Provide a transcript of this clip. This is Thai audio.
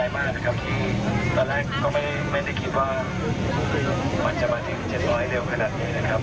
ตอนแรกก็ไม่ได้คิดว่ามันจะมาถึง๗๐๐เดียวขนาดนี้นะครับ